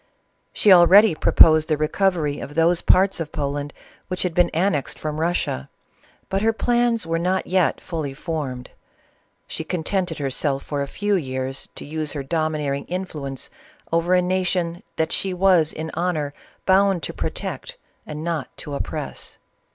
She already proposed the recovery of those parts of Poland which had been annexed from Russia ; but her plans were not yet fully formed ; she contented herself for a few years to use her domineer ing influonc'j over a nation thaLgho was in honor bound U> protect and not to oppress.